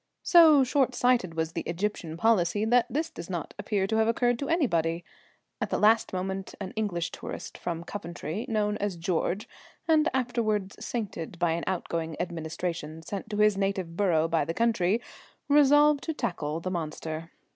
So short sighted was the Egyptian policy that this does not appear to have occurred to anybody. At the last moment an English tourist from Coventry, known as George (and afterwards sainted by an outgoing administration sent to his native borough by the country), resolved to tackle the monster.